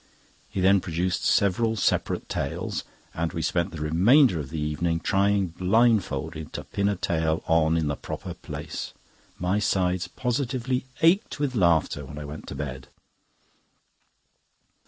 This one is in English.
He then produced several separate tails, and we spent the remainder of the evening trying blindfolded to pin a tail on in the proper place. My sides positively ached with laughter when I went to bed.